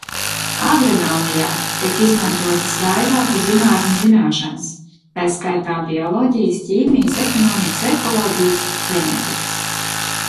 Agronomijā tiek izmantotas vairāku zinātņu zināšanas, tai skaitā bioloģijas, ķīmijas, ekonomikas, ekoloģijas, ģenētikas.